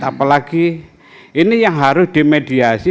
apalagi ini yang harus dimediasi